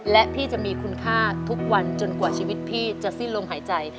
และพี่จะมีคุณค่าทุกวันจนกว่าชีวิตพี่จะสิ้นลมหายใจ